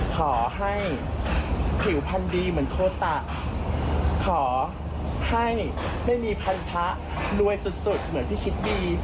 ขอให้ผิวพันธุ์ดีเหมือนโคตะขอให้ไม่มีพันธะรวยสุดเหมือนที่คิดดี